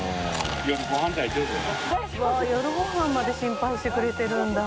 わぁ夜ごはんまで心配してくれてるんだ。